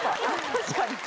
確かに。